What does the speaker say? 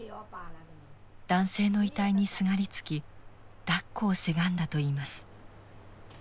男性の遺体にすがりつきだっこをせがんだといいます。